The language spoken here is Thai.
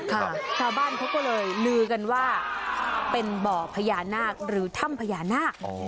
ชาวบ้านเขาก็เลยลือกันว่าเป็นบ่อพญานาคหรือถ้ำพญานาค